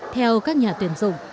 theo các nhà tuyển dụng